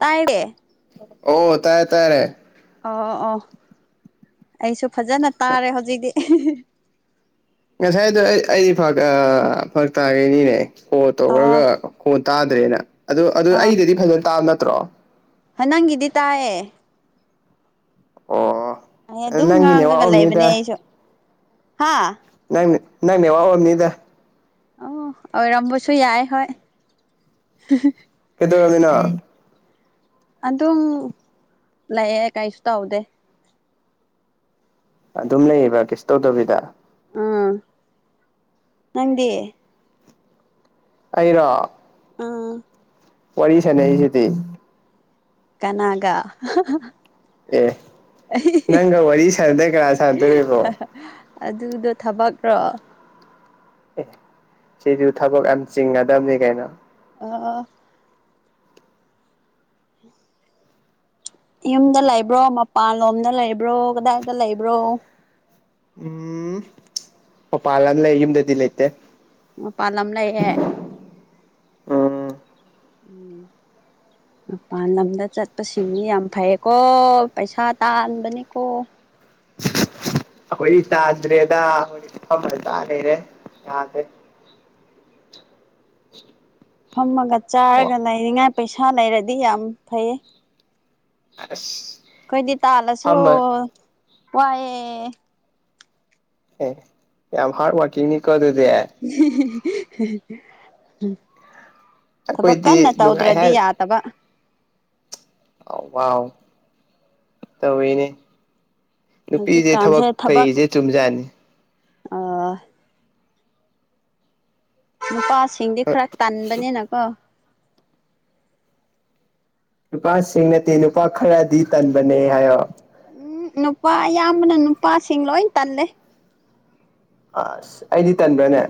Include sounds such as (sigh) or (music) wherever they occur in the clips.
ꯇꯥꯏꯅꯦꯦ ꯑꯣ ꯇꯥꯏꯔꯦ ꯇꯥꯏꯔꯦ ꯑꯣ ꯑꯣ ꯑꯩꯁꯨ ꯐꯖꯅ ꯇꯥꯔꯦ ꯍꯧꯖꯤꯛꯇꯤ ꯉꯁꯥꯏꯗꯣ ꯑꯩ ꯑꯩꯗꯤ ꯐ ꯐꯛ ꯇꯥꯈꯩꯅꯤꯅꯦ ꯐꯣꯟ ꯑꯣ ꯇꯧꯈ꯭ꯔꯒꯣꯟ ꯇꯥꯗ꯭ꯔꯦꯅ ꯑꯗꯨ ꯑꯗꯨ ꯑꯣ ꯑꯩꯗꯗꯤ ꯐꯖꯅ ꯇꯥꯕ ꯅꯠꯇ꯭ꯔꯣ ꯅꯪꯒꯤꯗꯤ ꯇꯥꯏꯌꯦ ꯑꯣ ꯑꯩ ꯑꯗꯨꯝ ꯅꯪꯒꯤ ꯅꯦꯋꯥꯛ ꯉꯥꯡꯉꯒ ꯂꯩꯕꯅꯦ ꯑꯩꯁꯨ ꯍꯥ ꯅꯪꯅꯦ ꯅꯪꯅꯦ ꯋꯥꯕ ꯃꯤꯗ ꯑꯣ ꯑꯣꯏꯔꯝꯕꯁꯨ ꯌꯥꯏ ꯍꯣꯏ ꯀꯗꯅꯤꯅ ꯑꯩ ꯑꯗꯨꯝ ꯂꯥꯛꯑꯦ ꯀꯩꯁꯨ ꯇꯧꯗꯦ ꯑꯗꯨꯝ ꯂꯩꯌꯦꯕ ꯀꯦꯁ ꯇꯧꯗꯕꯤꯗ ꯎꯝ ꯅꯒꯦꯦ ꯑꯩꯔ ꯑꯥ ꯋꯥꯔꯤ ꯁꯅ ꯑꯩꯁꯤꯗꯤ ꯀꯅꯥꯒ ꯑꯦ ꯅꯪꯒ ꯋꯥꯔꯤ ꯁꯥꯟꯅꯗꯩ ꯀꯅꯥ ꯁꯥꯟꯅꯗꯣꯔꯤꯕꯣ (inaudible) ꯑꯗꯨꯗꯣ ꯊꯕꯛꯔꯣ ꯑꯦ ꯁꯤꯁꯨ ꯊꯕꯛ ꯌꯥꯝ ꯆꯤꯡꯒꯗꯕꯅꯤ ꯀꯩꯅꯣ ꯑ ꯎꯝ ꯌꯨꯝꯗ ꯂꯩꯕ꯭ꯔꯣ ꯃꯄꯥꯟꯂꯣꯝꯗ ꯂꯩꯕ꯭ꯔꯣ ꯀꯗꯥꯏꯗ ꯂꯩꯕ꯭ꯔꯣ ꯎꯝ ꯄꯄ ꯂꯝꯂꯝ ꯂꯩ ꯌꯨꯝꯗꯗꯤ ꯂꯩꯇꯦ ꯎ ꯄꯥꯟ ꯂꯝꯝ ꯂꯩꯌꯦꯦ ꯎꯝ ꯎꯝ ꯃꯄꯥꯟ ꯂꯝꯗ ꯆꯠꯄꯁꯤꯡꯅꯤ ꯌꯥꯝ ꯐꯩꯌꯦꯀꯣ ꯄꯩꯁꯥ ꯇꯥꯟꯕꯅꯤꯀꯣ ꯑꯩꯈꯣꯏ ꯆꯥꯗ꯭ꯔꯦꯗ ꯑꯩꯈꯣꯏ ꯐꯃ ꯇꯥ ꯂꯩꯦꯔꯦ ꯌꯥꯗꯦ ꯐꯝꯃꯒ ꯆꯥꯔꯒ ꯂꯩꯅꯤꯡꯉꯥꯏ ꯄꯩꯁꯥ ꯂꯩꯔꯗꯤ ꯌꯥꯝ ꯐꯩꯌꯦ ꯑꯁ ꯑꯩꯈꯣꯏꯗꯤ ꯇꯥꯜꯂꯁꯨ ꯐꯝꯃ ꯋꯥꯏꯑꯦ ꯌꯥꯝ ꯍ ꯍꯥꯔ ꯋꯥꯀꯤꯡꯅꯤ ꯀꯗ (unintelligible) ꯊꯕꯛ ꯑꯩꯈꯣꯏꯗꯤ ꯀꯟꯅ ꯅꯨꯡꯉꯥꯏ ꯇꯧꯗ꯭ꯔꯗꯤ ꯌꯥꯗꯕ ꯑ ꯋꯥꯎ ꯇꯧꯋꯅꯦ ꯅꯨꯄꯤꯁꯦ ꯍꯧꯖꯤꯛꯀꯥꯟꯁꯦ ꯊꯕꯛ ꯐꯩꯁꯦ ꯆꯨꯝꯖꯥꯅꯤ ꯑꯣ ꯅꯨꯄꯥꯁꯤꯡꯗꯤ ꯈꯔ ꯇꯟꯕꯅꯤꯅꯀꯣ ꯅꯨꯄꯥꯁꯤꯡꯅꯠꯇꯦ ꯅꯨꯄꯥ ꯈꯔꯗꯤ ꯇꯟꯕꯅꯦ ꯍꯥꯏꯌꯣ ꯎꯝ ꯅꯨꯄꯥ ꯑꯌꯥꯝꯕꯅ ꯅꯨꯄꯥꯁꯤꯡ ꯂꯣꯏ ꯇꯜꯂꯦ ꯑꯁ ꯑꯩꯗꯤ ꯇꯟꯕ꯭ꯔꯥꯅꯦ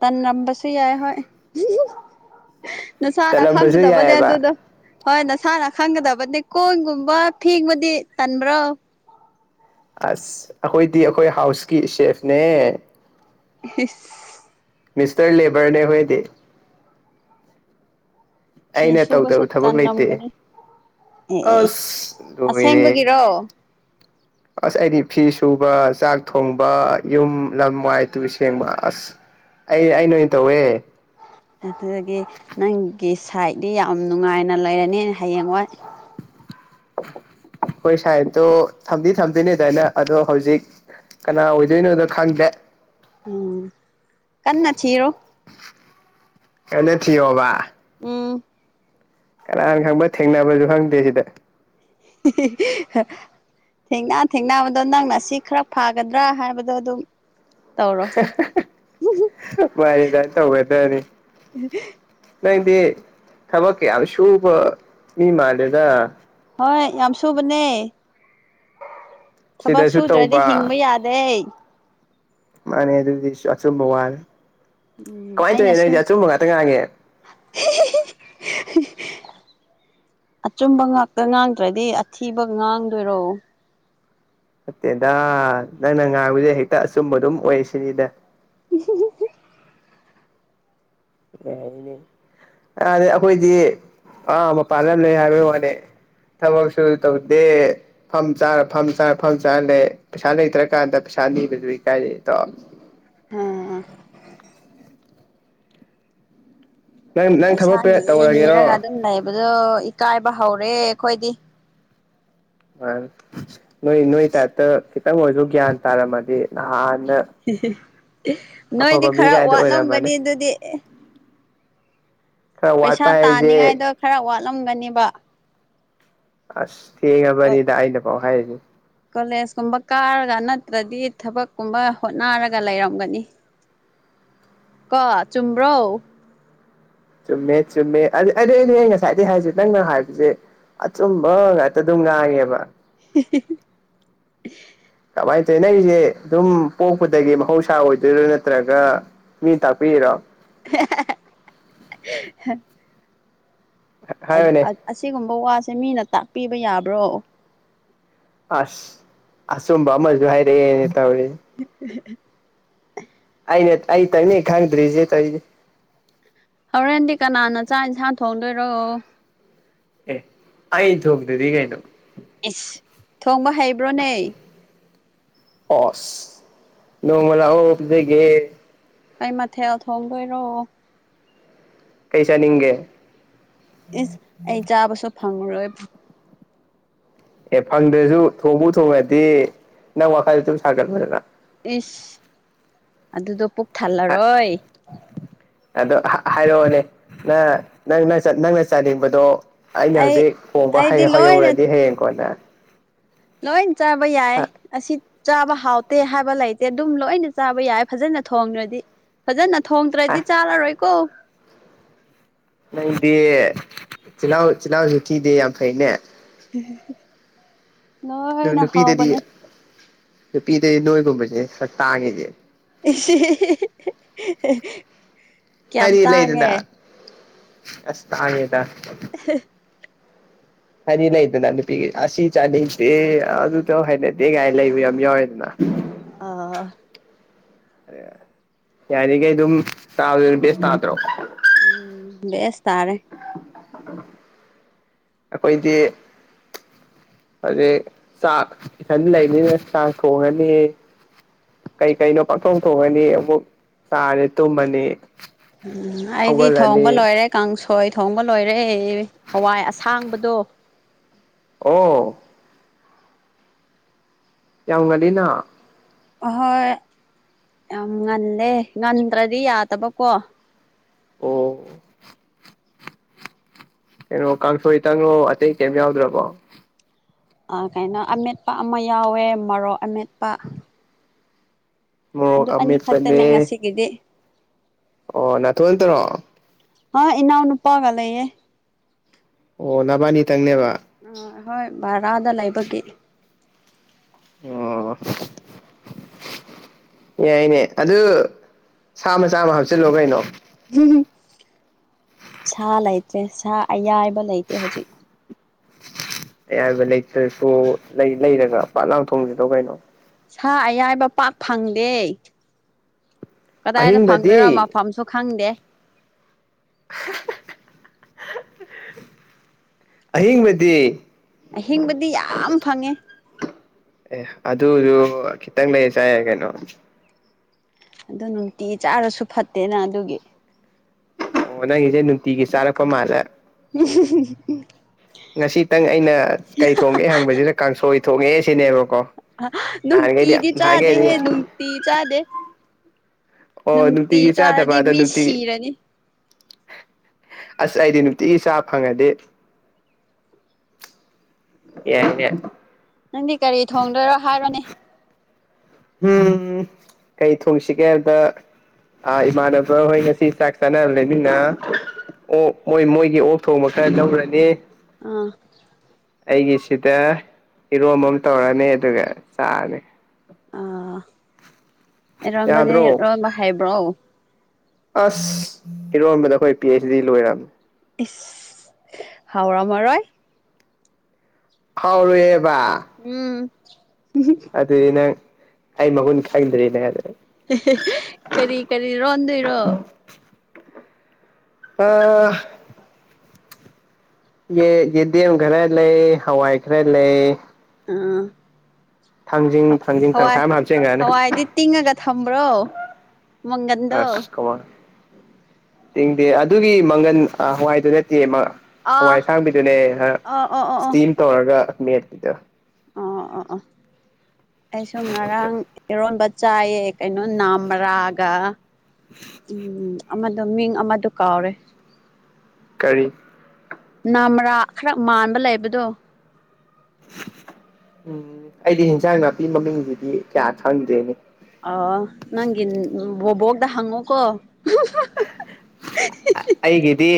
ꯇꯅ ꯅꯝꯕꯁꯤ ꯌꯥꯏ ꯍꯣꯏ ꯅꯁꯥꯅ ꯇꯜꯂꯝꯕꯁꯨ ꯈꯪꯒꯗꯕꯅꯦ ꯌꯥꯏꯑꯕ ꯑꯗꯨꯗ ꯍꯣꯏ ꯅꯁꯥꯅ ꯈꯪꯒꯗꯕꯅꯤ ꯀꯣꯏꯒꯨꯝꯕ ꯐꯦꯡꯕꯨꯗꯤ ꯇꯟꯕ꯭ꯔꯣ ꯑꯁ ꯑꯩꯈꯣꯏꯗꯤ ꯑꯩꯈꯣꯏ ꯍꯥꯎꯁꯀꯤ ꯁꯦꯐꯅꯦ (inaudible) ꯃꯤꯁꯇꯔ ꯂꯦꯕꯔꯅꯦ ꯍꯌꯦꯗꯤ ꯐꯤ ꯑꯩꯅ ꯁꯨꯕꯁꯨ ꯇꯧꯗꯕ ꯊꯕꯛ ꯂꯩꯇꯦ ꯇꯟꯂꯝꯒꯅꯤ ꯑꯦ ꯑꯦ ꯑꯁ ꯔꯨꯃꯤꯅꯦꯦ ꯑꯁꯦꯡꯕꯒꯤꯔꯣ ꯑꯁ ꯑꯩꯗꯤ ꯐꯤ ꯁꯨꯕ ꯆꯥꯛ ꯊꯣꯡꯕ ꯌꯨꯝ ꯂꯝ ꯋꯥꯏ ꯇꯨ ꯁꯦꯡꯕ ꯑꯁ ꯑꯩ ꯑꯩ ꯅ ꯑꯣꯏꯅ ꯇꯧꯋꯦ ꯑꯗꯨꯗꯒꯤ ꯅꯪꯒꯤ ꯁꯥꯏꯠꯇꯗꯤ ꯌꯥꯝ ꯅꯨꯡꯉꯥꯏꯅ ꯂꯩꯔꯅꯤ ꯍꯌꯦꯡ ꯍꯣꯏ ꯍꯣꯏ ꯁꯥꯏꯠꯇꯣ ꯊꯝꯗꯤ ꯊꯝꯗꯤꯅꯦꯗꯥꯏꯅ ꯑꯗꯣ ꯍꯧꯖꯤꯛ ꯀꯅꯥ ꯑꯣꯖꯣꯏꯅꯤ ꯑꯣꯏꯗ ꯈꯪꯗꯦ ꯎꯝ ꯀꯟꯅ ꯆꯔꯣ ꯀꯩꯅ ꯊꯤ ꯍꯕ ꯎꯝ ꯀꯅꯥꯅ ꯈꯪꯕ ꯊꯦꯡꯅꯕꯁꯨ ꯈꯪꯗꯦ ꯁꯤꯗ (unintelligible) ꯊꯦꯡꯅꯥ ꯊꯦꯡꯕꯗꯣ ꯅꯪꯅ ꯁꯤ ꯈꯔ ꯐꯥꯒꯗ꯭ꯔꯥ ꯍꯥꯏꯕꯗꯣ ꯑꯗꯨꯝ ꯇꯧꯔꯣ ꯃꯥꯅꯤꯗ ꯇꯧꯒꯗꯕꯅꯤ ꯅꯪꯗꯤ ꯊꯕꯛ ꯌꯥꯝ ꯁꯨꯕ ꯃꯤ ꯃꯥꯜꯂꯦꯗ ꯍꯣꯏ ꯌꯥꯝ ꯁꯨꯕꯅꯦ ꯊꯕꯛ ꯁꯤꯗꯁꯨ ꯁꯨꯗ꯭ꯔꯗꯤ ꯇꯧꯕ ꯍꯤꯡꯕ ꯌꯥꯗꯦ ꯃꯥꯅꯦ ꯑꯗꯨꯗꯤ ꯑꯆꯨꯝꯕ ꯋꯥꯜ ꯎꯝ ꯀꯃꯥꯏꯅ ꯇꯧꯔꯤ ꯑꯩꯅꯁꯨ ꯅꯁ ꯑꯆꯨꯝꯕ ꯉꯥꯛꯇ ꯉꯥꯛꯒꯦ ꯑꯆꯨꯝꯕ ꯉꯥꯛꯇ ꯉꯥꯡꯗ꯭ꯔꯗꯤ ꯑꯊꯤꯕ ꯉꯥꯡꯗꯣꯏꯔꯣ ꯐꯠꯇꯦꯗ ꯅꯪꯅ ꯉꯥꯡꯕꯁ ꯍꯦꯛꯇ ꯑꯆꯨꯝꯕ ꯑꯗꯨꯝ ꯑꯣꯏꯁꯤꯅꯤꯗ (inaudible) ꯑ ꯏꯅꯦ ꯑꯗ ꯑꯩꯈꯣꯏꯗꯤ ꯑꯥ ꯃꯄꯥꯟ ꯂꯝ ꯂꯩ ꯍꯥꯏꯕꯒꯤ ꯋꯥꯅꯤ ꯊꯕꯛꯁꯨ ꯇꯧꯗꯦ ꯐꯝ ꯆꯥꯔ ꯐꯝ ꯆꯥꯔ ꯐꯝ ꯆꯥꯔ ꯂꯩ ꯄꯩꯁꯥ ꯂꯩꯇ꯭ꯔꯀꯥꯟꯗ ꯆꯥꯟꯅꯤ ꯀꯥꯏ ꯂꯩ ꯑ ꯅꯪ ꯅꯪ ꯄꯩꯁꯥ ꯊꯕꯛ ꯅꯤꯏ ꯇꯧꯔꯒꯦꯔꯣ ꯅꯤꯔꯒ ꯑꯗꯨꯝ ꯂꯩꯕꯗꯣ ꯏꯀꯥꯏꯕ ꯍꯧꯔꯦ ꯑꯩꯈꯣꯏꯗꯤ ꯑ ꯅꯣꯏ ꯅꯣꯏ ꯇꯥꯏꯞꯇ ꯈꯤꯇꯪ ꯑꯣꯏꯔꯁꯨ ꯒ꯭ꯌꯥꯟ ꯇꯥꯔꯝꯃꯗꯤ ꯅꯍꯥꯟ ꯅꯣꯏꯗꯤ ꯃꯤ ꯈꯔ ꯀꯥꯏꯗꯣ ꯑꯣꯏꯔꯝꯃꯅꯤ ꯋꯥꯠꯂꯝꯒꯅꯤ ꯑꯗꯨꯗꯤ ꯈꯔ ꯄꯩꯁꯥ ꯋꯥꯠꯄ ꯍꯥꯏꯁꯦ ꯇꯥꯅꯤꯉꯥꯏꯗꯣ ꯈꯔ ꯋꯥꯠꯂꯝꯒꯅꯦꯕ ꯑꯁ ꯊꯦꯡꯉꯕꯅꯤꯗ ꯑꯩꯅ ꯄꯥꯎ ꯍꯥꯏꯔꯁꯤꯦ ꯀꯣꯂꯦꯖ ꯀꯨꯝꯕ ꯀꯥꯔꯒ ꯅꯠꯇ꯭ꯔꯗꯤ ꯊꯕꯛ ꯀꯨꯝꯕ ꯍꯣꯠꯅꯔꯒ ꯂꯩꯔꯝꯒꯅꯤ (unintelligible) ꯀ ꯆꯨꯝꯕ꯭ꯔꯣ ꯆꯨꯝꯃꯦ ꯆꯨꯝꯃꯦ ꯑꯗꯨ ꯑꯩꯗꯤ ꯑꯩ ꯉꯁꯥꯏꯗꯒꯤ ꯍꯥꯏꯁꯦ ꯅꯪꯅ ꯍꯥꯏꯕꯁꯦ ꯑ ꯆꯕꯒꯗꯨꯃ ꯍꯥꯏꯦꯕ (unintelligible) ꯀꯃꯥꯏꯅ ꯇꯧꯋꯤ ꯅꯪ ꯑꯩꯁꯦ ꯑꯗꯨꯝ ꯄꯣꯛꯄꯗꯒꯤ ꯃꯍꯧꯁꯥ ꯑꯣꯏꯗꯣꯏꯔꯣ ꯅꯠꯇ꯭ꯔꯒ ꯃꯤ ꯇꯥꯛꯄꯤꯔꯣ (inaudible) ꯍꯥꯏꯌꯨꯅꯦ ꯑꯁꯤꯒꯨꯝꯕ ꯋꯥꯁꯦ ꯃꯤꯅ ꯇꯥꯛꯄꯤꯕ ꯌꯥꯕ꯭ꯔꯣ ꯑꯁ ꯑꯁꯨꯝꯕ ꯃꯖ ꯍꯥꯏꯏꯔꯦ (unintelligible) ꯑꯅꯦ ꯑꯩ ꯇꯅꯤ ꯍꯪꯗ꯭ꯔꯤꯦ ꯇꯦ ꯍꯣꯔꯦꯟꯗꯤ ꯀꯅꯥꯅ ꯆꯥꯛ ꯏꯟꯁꯥꯡ ꯊꯣꯡꯗꯣꯏꯔꯣ ꯑꯦ ꯑ ꯊꯒꯗꯗꯤ ꯀꯩꯅꯩꯅ ꯏꯁꯁ ꯊꯣꯡꯕ ꯍꯩꯕ꯭ꯔꯣꯅꯦ ꯍꯁ ꯅꯣꯡꯃꯂ ꯑꯣꯐꯗꯒꯦ ꯀꯩ ꯃꯊꯦꯜ ꯊꯣꯡꯗꯣꯏꯔꯣ ꯀꯩꯁꯥꯅꯤꯡꯒꯦ ꯏꯁ ꯑꯩ ꯆꯥꯕꯁꯨ ꯐꯪꯉꯔꯣꯏꯕ ꯑꯦ ꯐꯪꯗ꯭ꯔꯁꯨ ꯊꯣꯡꯕꯨ ꯊꯣꯡꯉꯗꯤ ꯅꯪ ꯋꯥꯈꯜꯗ ꯑꯗꯨꯝ ꯁꯥꯒꯠꯂꯗꯅ ꯏꯁ ꯑꯗꯨꯗꯣ ꯄꯨꯛ ꯊꯜꯂꯔꯣꯏ ꯑꯗꯣ ꯍꯥꯏꯔꯛꯑꯣꯅꯦ ꯅ ꯅꯪ ꯅꯪꯅ ꯆꯥꯅꯤꯡꯕꯗꯣ ꯑꯩꯅ ꯑꯩ ꯍꯧꯖꯤꯛ ꯍꯣꯡꯕ ꯍ ꯑꯩꯗꯤ ꯂꯣꯏꯅ ꯍꯍꯧꯔꯗꯤ ꯍꯌꯦꯡꯀꯣꯅ ꯂꯣꯏ ꯆꯥꯕ ꯌꯥꯏ ꯑꯁꯤ ꯆꯥꯕ ꯍꯥꯎꯇꯦ ꯍꯥꯏꯕ ꯂꯩꯇꯦ ꯑꯗꯨꯝ ꯂꯣꯏꯅ ꯆꯥꯕ ꯌꯥꯏ ꯐꯖꯅ ꯊꯣꯡꯗ꯭ꯔꯗꯤ ꯐꯖꯅ ꯊꯣꯡꯗ꯭ꯔꯗꯤ ꯑꯁ ꯆꯥꯔꯔꯣꯏꯀꯣ ꯂꯩꯗꯤ ꯆꯤꯜꯍꯥꯎ ꯆꯤꯜꯍꯥꯎꯁꯨ ꯊꯤꯗꯦ ꯌꯥꯝ ꯐꯩꯅꯦ ꯂꯣꯏ ꯅꯈꯥꯎ ꯃꯅꯤ ꯄꯤ ꯂꯣꯏ ꯀꯨꯝꯄꯦ ꯁ ꯇꯥꯉꯦꯦ ꯀꯌꯥꯝ ꯇꯥꯡꯉꯦ ꯑꯁꯉꯗ (inaudible) ꯍꯅꯤꯅꯥꯏꯗ ꯅ ꯄꯤ ꯑꯁꯤꯁꯤ ꯆꯅꯤ ꯑꯗꯨꯇꯧ ꯍꯥꯏꯅꯗꯦꯒꯥꯏ ꯂꯩꯕ ꯌꯥꯝ ꯌꯥꯎꯋꯦꯗꯅ ꯑꯥ ꯌꯥꯔꯤꯈꯩ ꯑꯗꯨꯝ ꯇꯥꯗꯨꯁ ꯇꯥꯠꯇ꯭ꯔꯣ ꯎꯝ ꯦꯁ ꯇꯥꯔꯦ ꯑꯈꯣꯏꯗꯤ ꯑꯗꯩ ꯆꯥꯛ ꯏꯊꯟ ꯂꯩꯅꯤꯅ ꯆꯥꯛ ꯊꯣꯡꯉꯅꯤ ꯀꯩ ꯀꯩꯅꯣ ꯄꯥꯛꯊꯣꯛ ꯊꯣꯛꯑꯅꯤ ꯑꯃꯨꯛ ꯆꯥꯔꯦ ꯇꯨꯝꯃꯅꯤ ꯎꯝ ꯑꯩꯗꯤ ꯍꯧꯒꯠꯂꯅꯤ ꯊꯣꯡꯕ ꯂꯣꯏꯔꯦ ꯀꯥꯡꯁꯨ ꯊꯣꯏ ꯊꯣꯡꯕ ꯂꯣꯏꯔꯦ ꯍꯋꯥꯏ ꯑꯁꯥꯡꯕꯗꯣ ꯑꯣ ꯌꯥꯎ ꯉꯅ ꯍꯣꯏ ꯌꯥꯝ ꯉꯜꯂꯦ ꯉꯟꯗ꯭ꯔꯗꯤ ꯌꯥꯗꯕꯀꯣ ꯑꯣ ꯀꯩꯅꯣ ꯀꯥꯡꯁꯣꯏ ꯇꯪꯅꯣ ꯑꯇꯩ ꯀꯩꯝ ꯌꯥꯎꯗ꯭ꯔꯕꯣ ꯀꯥꯏꯅꯣ ꯑꯃꯃꯦꯠꯄ ꯑꯃ ꯌꯥꯎꯋꯦ ꯃꯔꯣꯛ ꯑꯃꯦꯠꯄ ꯃꯣꯔꯣꯛ ꯑꯗꯨ ꯑꯅꯤꯈꯛꯇꯅꯦ ꯑꯃꯦꯠꯄꯅꯦ ꯉꯁꯤꯒꯤꯗꯤ ꯑꯣ ꯅꯅꯥ ꯊꯣ ꯇꯔꯣ ꯍꯥ ꯏꯅꯥꯎꯅꯨ ꯄꯥꯒ ꯂꯩꯌꯦ ꯑꯣ ꯅꯕꯥꯅꯤꯇꯪꯅꯦꯕ ꯑ ꯍꯣꯏ ꯚꯔꯥꯗ ꯂꯩꯕꯒꯤ ꯑꯣ ꯌꯥꯏꯅꯦ ꯑꯗꯨ ꯁꯥ ꯃꯆꯥꯃ ꯍꯥꯞꯆꯤꯜꯂꯣ ꯀꯩꯅꯣ ꯍꯝ ꯁꯥ ꯂꯩꯇ꯭ꯔꯦ ꯁꯥ ꯑꯌꯥꯏꯕ ꯂꯩꯇꯦ ꯍꯧꯖꯤꯛ ꯑꯌꯥꯕ ꯂꯩꯇ꯭ꯔꯁꯨ ꯂꯩ ꯂꯩꯔꯒ ꯄꯥꯠ ꯂꯥꯡꯊꯣꯡꯁꯤꯗꯧ ꯀꯩꯅꯣ ꯁꯥ ꯑꯌꯥꯏꯕ ꯄꯥꯛ ꯐꯪꯗꯦ ꯀꯗꯥꯏꯗ ꯐꯪꯗꯣꯏꯔꯣ ꯑꯍꯤꯡꯕꯗꯤ ꯃꯐꯝꯁꯨ ꯈꯪꯗꯦ (inaudible) ꯑꯍꯤꯡꯕꯗꯤ ꯑꯍꯤꯡꯕꯗꯤ ꯌꯥꯝ ꯐꯪꯉꯦ ꯑꯦ ꯑꯗꯨꯗꯨ ꯈꯤꯇꯪ ꯂꯩ ꯆꯥꯏꯌꯦ ꯀꯩꯅꯣ ꯑꯗꯨ ꯅꯨꯡꯇꯤ ꯆꯥꯔꯁꯨ ꯐꯠꯇꯦꯅ ꯑꯗꯨꯒꯤ ꯑꯣ ꯅꯪꯒꯤꯁꯦ ꯅꯨꯡꯇꯤꯒꯤ ꯆꯥꯔꯛꯄ ꯃꯥꯜꯂꯦ ꯉꯁꯤꯇꯪ ꯑꯩꯅ ꯀꯩ ꯊꯣꯡꯉꯦ ꯍꯪꯕꯁꯤꯗ ꯀꯥꯡꯁꯣꯏ ꯊꯣꯡꯉꯛꯑꯦ ꯁꯤꯅꯦꯕꯀꯣ ꯅꯍꯥꯟꯈꯩꯗꯤ ꯅꯨꯡꯅꯨꯡꯇꯗꯤ ꯆꯥꯗ ꯅꯍꯥꯟꯈꯩꯗꯤ ꯍꯦ ꯅꯨꯡꯇ ꯆꯥꯗ ꯑꯣ ꯅꯨꯡꯇꯤꯒꯤ ꯆꯥꯗꯕꯗ ꯑꯗ ꯃꯤ ꯅꯨꯡꯇꯤ ꯁꯤꯔꯅꯤ ꯑꯁ ꯑꯩꯗꯤ ꯅꯨꯡꯇꯤꯒꯤ ꯆꯥ ꯐꯪꯉꯗꯤ ꯌꯥꯏꯅꯦ ꯅꯪꯗꯤ ꯀꯔꯤ ꯊꯣꯡꯗꯣꯏꯔꯣ ꯍꯥꯏꯔꯣꯅꯦ ꯎꯝ ꯀꯩ ꯊꯣꯡꯁꯤꯒꯦ ꯍꯥꯏꯕꯗ ꯑꯥ ꯏꯃꯥꯟꯅꯕ ꯍꯣꯏ ꯉꯁꯤ ꯆꯥꯛ ꯆꯥꯅꯕꯂꯩꯝꯅꯤꯅ ꯑꯣ ꯃꯣꯏ ꯃꯣꯏꯒꯤ ꯑꯣꯛ ꯊꯣꯡꯕ ꯈꯔ ꯂꯧꯔꯅꯤ ꯑꯥ ꯑꯩꯒꯤꯁꯤꯗ ꯏꯔꯣꯝꯕ ꯑꯃ ꯇꯧꯔꯅꯤ ꯑꯗꯨꯒ ꯆꯥꯔꯅꯤ ꯑ ꯏꯔꯣꯝꯕꯗꯤ ꯌꯥꯗ꯭ꯔꯣ ꯏꯔꯣꯝꯕ ꯍꯩꯕ꯭ꯔꯣ ꯑꯁ ꯏꯔꯣꯟꯕꯗ ꯑꯩꯈꯣꯏ ꯄꯤ ꯍꯩꯁ ꯗꯤ ꯂꯣꯏꯔꯝꯅꯦ ꯏꯁ ꯍꯥꯎꯔꯝ ꯃꯔꯣꯏ ꯍꯧꯥꯎꯔꯨꯌꯦꯦꯕ ꯎ ꯑꯗꯨꯗꯤ ꯅꯪ ꯑꯩ ꯃꯒꯨꯟ ꯈꯪꯗ꯭ꯔꯤꯅꯦ ꯑꯗꯨ ꯀꯔꯤ ꯀꯔꯤ ꯔꯣꯟꯗꯣꯏꯔꯣ ꯑ ꯌꯦ ꯌꯦꯗꯤꯦꯝ ꯈꯔ ꯂꯩ ꯍꯋꯥꯏ ꯈꯔꯦ ꯂꯩ ꯑꯥ ꯊꯥꯡꯖꯤꯡ ꯊꯥꯡꯖꯤꯡ ꯍꯋꯥꯏ ꯇꯪꯈꯥꯏ ꯑꯃ ꯍꯥꯞꯆꯤꯟꯈ꯭ꯔꯅꯤ ꯍꯋꯥꯏꯗꯤ ꯇꯤꯡꯉꯒ ꯊꯝꯕ꯭ꯔꯣ ꯃꯪꯒꯟꯗꯣ ꯑꯁ ꯀꯃꯥꯏ ꯇꯤꯡꯗꯦ ꯑꯗꯨꯒꯤ ꯃꯪꯒꯟ ꯑ ꯍꯋꯥꯏꯗꯨ ꯅꯠꯇꯦ ꯃ ꯑꯥ ꯍꯋꯥꯏ ꯑꯁꯥꯡꯕꯤꯗꯨꯅꯦ ꯑ ꯑꯣ ꯑꯣ ꯑꯣ ꯁ꯭ꯇꯤꯝ ꯇꯧꯔꯒ ꯃꯦꯠꯄꯤꯗꯣ ꯑꯣ ꯑꯣ ꯑꯣ ꯑꯣ ꯑꯩꯁꯨ ꯉꯔꯥꯡ ꯏꯔꯣꯟꯕ ꯆꯥꯏꯌꯦ ꯀꯩꯅꯣ ꯅꯥꯝꯃꯔꯥꯒ ꯎꯝ ꯑꯃꯗꯣ ꯃꯤꯡ ꯑꯃꯗꯣ ꯀꯥꯎꯔꯦ ꯀꯔꯤ ꯅꯥꯝꯃꯔꯥ ꯈꯔ ꯃꯥꯟꯕ ꯂꯩꯕꯗꯣ ꯎꯝ ꯑꯩꯗꯤ ꯏꯟꯁꯥꯡ ꯅꯥꯄꯤ ꯃꯃꯤꯡꯁꯤꯗꯤ ꯀꯌꯥ ꯈꯪꯗꯦꯅꯦ (unintelligible) ꯍꯪꯉꯣꯀꯣ ꯑꯩꯒꯤꯗꯤ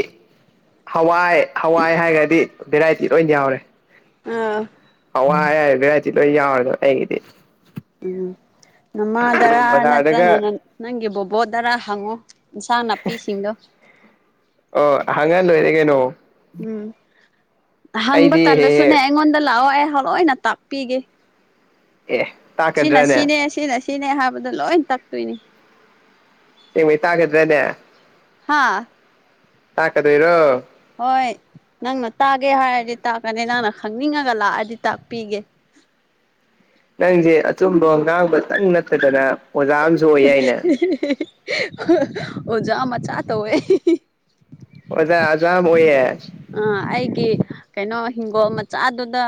ꯍꯋꯥꯏ ꯍꯋꯥꯏ ꯍꯥꯏꯔꯗꯤ ꯚꯦꯔꯥꯏꯇꯤ ꯂꯣꯏ ꯌꯥꯎꯔꯦ ꯑꯥ ꯍꯋꯥꯏ ꯍꯥꯏꯔ ꯚꯦꯔꯥꯏꯇꯤ ꯂꯣꯏ ꯌꯥꯎꯑꯦꯕ ꯑꯩꯒꯤꯗꯤ ꯎꯝ ꯅꯃꯥꯗꯔ ꯅꯠꯇ꯭ꯔ ꯕꯖꯥꯔꯗꯒ ꯅꯪ ꯅꯪꯒꯤ ꯕꯣꯕꯣꯗꯔ ꯍꯪꯉꯣ ꯏꯟꯁꯥꯡ ꯅꯥꯄꯤꯁꯤꯡꯗꯣ ꯑꯣ ꯍꯪꯉ ꯂꯣꯏꯔꯦ ꯀꯩꯅꯣ ꯎꯝ ꯍꯪꯕ ꯑꯩꯗꯤ ꯍꯦꯛ ꯇꯜꯂꯁꯨꯅꯦ ꯍꯦꯛ ꯑꯩꯉꯣꯟꯗ ꯂꯥꯛꯑꯣ ꯑꯩ ꯍꯂꯣꯏꯅ ꯇꯥꯛꯄꯤꯒꯦ ꯑꯦ ꯁꯤꯅ ꯇꯥꯛꯀꯗ꯭ꯔꯅꯦ ꯁꯤꯅꯦ ꯁꯤꯅ ꯁꯤꯅꯦ ꯍꯥꯏꯕꯗꯣ ꯂꯣꯏ ꯇꯥꯛꯇꯣꯏꯅꯤ ꯁꯦꯡꯕꯩ ꯇꯥꯛꯀꯗ꯭ꯔꯅꯦ ꯍꯥꯥ ꯇꯥꯛꯀ ꯗꯨꯏꯔꯣ ꯍꯣꯏ ꯅꯪꯅ ꯇꯥꯒꯦ ꯍꯥꯏꯔꯗꯤ ꯇꯥꯛꯀꯅꯤ ꯅꯪꯅ ꯈꯪꯅꯤꯡꯉꯒ ꯂꯥꯛꯑꯗꯤ ꯇꯥꯛꯄꯤꯒꯦ ꯅꯪꯁꯦ ꯑꯆꯨꯝꯕꯣ ꯉꯥꯡꯕꯇꯪ ꯅꯠꯇꯗꯅ ꯑꯣꯖꯥ ꯑꯃꯁꯨ ꯑꯣꯏ ꯌꯥꯏꯅꯦ ꯑꯣꯖ ꯃꯥꯆꯥ ꯇꯧꯏ ꯑꯣꯖ ꯃꯆꯥ ꯑꯣꯌꯦ ꯑ ꯑꯩꯒꯤ ꯀꯩꯅꯣ ꯍꯤꯡꯒꯣꯜ ꯃꯆꯥꯗꯨꯗ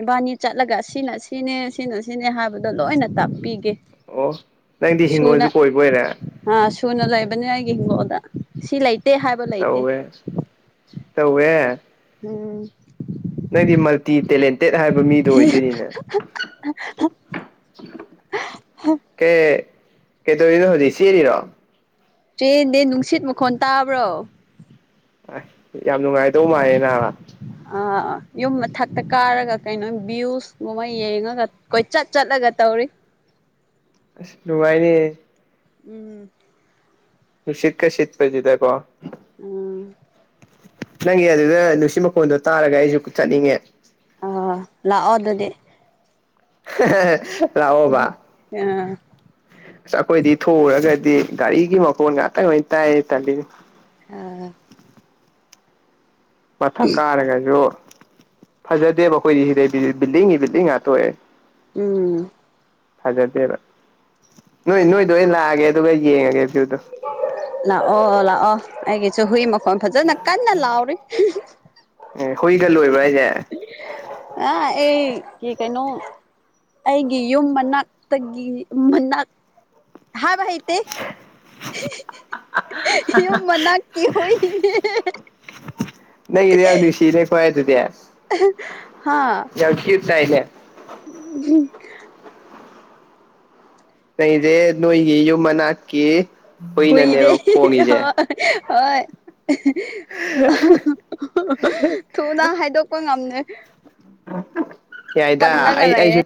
ꯏꯕꯥꯅꯤ ꯆꯠꯂꯒ ꯁꯤꯅ ꯁꯤꯅꯦ ꯁꯤꯅ ꯁꯤꯅꯦ ꯍꯥꯏꯕꯗꯣ ꯂꯣꯏꯅ ꯇꯥꯛꯄꯤꯒꯦ ꯑꯣ ꯅꯪꯗꯤ ꯁꯨꯅ ꯍꯤꯡꯒꯣꯜꯁꯨ ꯀꯣꯏꯕ ꯑꯣꯏꯔꯦ ꯑꯥ ꯁꯨꯅ ꯂꯩꯕꯅꯤ ꯑꯩꯒꯤ ꯍꯤꯡꯒꯣꯜꯗ ꯁꯤ ꯂꯩꯇꯦ ꯍꯥꯏꯕ ꯂꯩꯇꯦ ꯇꯧꯋꯦ ꯇꯧꯋꯦ ꯎꯝ ꯅꯪꯗꯤ ꯃꯥꯜꯇꯤ ꯇꯦꯂꯦꯟꯇꯦꯠ ꯍꯥꯏꯕ ꯃꯤꯗꯣ ꯑꯣꯏꯗꯣꯏꯅꯤꯅꯦ ꯀꯩ ꯀꯩꯗꯧꯔꯤꯅꯣ ꯍꯧꯖꯤꯛ ꯆꯦꯜꯂꯤꯔꯣ ꯆꯦꯟꯗꯦ ꯅꯨꯡꯁꯤꯠ ꯃꯈꯣꯟ ꯇꯥꯕ꯭ꯔꯣ ꯑ ꯌꯥꯝ ꯅꯨꯡꯉꯥꯏꯗꯧ ꯃꯥꯜꯂꯦ ꯑꯥ ꯌꯨꯝ ꯃꯊꯛꯇ ꯀꯥꯔꯒ ꯀꯩꯅꯣ ꯚ꯭ꯌꯨꯁꯒꯨꯝꯕ ꯌꯦꯡꯉꯒ ꯀꯣꯏ ꯆꯠ ꯆꯠꯂꯒ ꯇꯧꯔꯤ ꯅꯨꯡꯉꯥꯏꯅꯤꯍꯦ ꯎꯝ ꯅꯨꯡꯁꯤꯠꯀꯥ ꯁꯤꯠꯄꯥꯁꯤꯗ ꯀꯣ ꯑꯝ ꯅꯪꯒꯤ ꯑꯗꯨꯗ ꯅꯨꯡꯁꯤ ꯃꯈꯣꯟꯗꯣ ꯇꯥꯔꯒ ꯑꯩꯁꯨ ꯆꯠꯅꯤꯡꯉꯦ ꯑ ꯂꯥꯛꯑꯣ ꯑꯗꯨꯗꯤ (unintelligible) ꯑꯥ ꯑꯁ ꯑꯩꯈꯣꯏꯗꯤ ꯊꯣꯛꯎꯔꯒꯗꯤ ꯒꯥꯔꯤꯒꯤ ꯃꯈꯣꯟ ꯉꯥꯛꯇ ꯑꯣꯏꯅ ꯇꯥꯏ ꯇꯜꯂꯤꯅꯤ ꯑ ꯃꯊꯛ ꯀꯥꯔꯒꯁꯨ ꯐꯖꯗꯦꯕ ꯑꯈꯣꯢꯗꯤ ꯁꯤꯗ ꯕꯤꯜꯗꯤꯡꯒꯤ ꯕꯤꯜꯗꯤꯡ ꯉꯥꯛꯇꯥ ꯑꯣꯢ ꯎꯝ ꯗꯥꯖꯗꯦꯕꯥ ꯅꯣꯏ ꯅꯣꯏꯗꯣ ꯑꯩ ꯑꯗꯨꯅꯤ ꯂꯥꯛꯑꯒꯦ ꯑꯗꯨꯒ ꯌꯦꯡꯉꯒꯦ ꯐꯤꯜꯗꯣ ꯂꯥꯛꯑꯣ ꯂꯥꯛꯑꯣ ꯑꯩꯒꯤꯁꯨ ꯍꯨꯏ ꯃꯈꯣꯟ ꯐꯖꯅ ꯀꯟꯅ ꯂꯥꯎꯔꯤ ꯑꯦ ꯍꯣꯏꯒ ꯂꯣꯏꯕꯔꯣ ꯑ ꯑꯩ ꯀꯩꯅꯣ ꯑꯩꯒꯤ ꯌꯨꯝ ꯃꯅꯥꯛꯇꯒꯤ ꯃꯅꯥꯛ ꯍꯥꯢꯕꯥ ꯍꯩꯇꯦ ꯍꯤ ꯍꯤ ꯌꯨꯝ ꯃꯅꯥꯛꯒꯤ ꯍꯨꯏꯅꯤ ꯅꯪ ꯌꯥ ꯁꯤ ꯏꯦ (inaudible) ꯍꯥꯥ ꯥꯏ ꯂꯩꯦ (inaudible) (unintelligible) ꯅꯪꯁꯤ ꯅꯣꯏꯒꯤ ꯌꯨꯝ ꯃꯅꯥꯛꯒꯤ ꯍꯨꯏꯗꯦ ꯍꯣꯢ ꯊꯨꯅ ꯍꯥꯏꯗꯣꯛꯄ ꯉꯝꯗꯦ ꯌꯥꯏꯗ ꯄꯜꯂꯒ ꯑꯩ ꯂꯩꯔꯦ ꯑꯩꯁꯨ